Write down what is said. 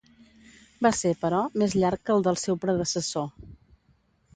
Va ser, però, més llarg que el del seu predecessor.